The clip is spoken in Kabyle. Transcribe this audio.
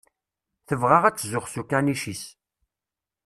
Tebɣa ad tzuxx s ukanic-is.